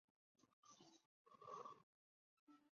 不过公务员内部缺额的升职机会还是优于民间。